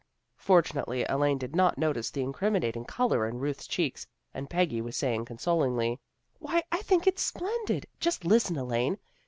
Fortunately Elaine did not notice the incrimi nating color in Ruth's cheeks, and Peggy was saying consolingly, " Why, I think it's splendid. Just listen, Elaine!